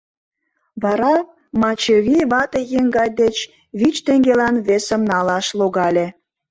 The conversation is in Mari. Вара Мачывий вате-еҥгай деч вич теҥгелан весым налаш логале.